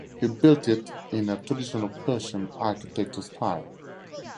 He built it in a traditional Persian architecture style.